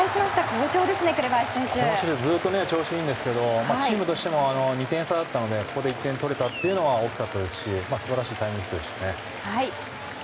今シーズンずっと調子がいいんですけどチームとしても２点差だったのでここで１点取れたというのは大きかったですし素晴らしいタイムリーヒットでしたね。